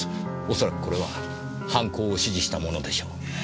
恐らくこれは犯行を指示したものでしょう。